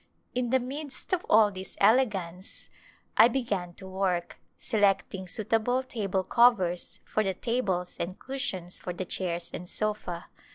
In the midst of all this elegance I began to work, selecting suitable table covers for the tables and cushions for the chairs and sofa.